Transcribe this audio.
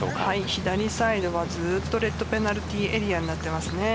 左サイドはずっとレッドペナルティーエリアになっています。